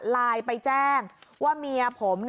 ไลน์ไปแจ้งว่าเมียผม